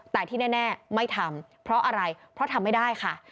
แต่ที่แน่ไม่ทำเพราะอะไรเพราะทำไม่ได้ค่ะ